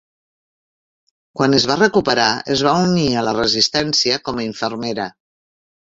Quan es va recuperar, es va unir a la resistència com a infermera.